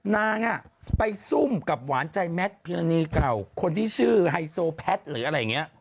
นางไปซุ่มกับหวานใจแมทพิรณีเก่าคนที่ชื่อไฮโซแพทย์หรืออะไรอย่างนี้